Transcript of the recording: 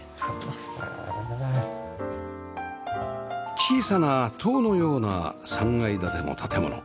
小さな塔のような３階建ての建物